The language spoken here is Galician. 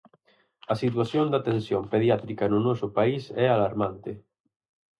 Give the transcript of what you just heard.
A situación da atención pediátrica no noso país é alarmante.